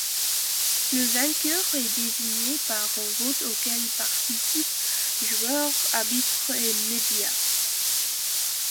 Le vainqueur est désigné par un vote auxquels participent joueurs, arbitres et médias.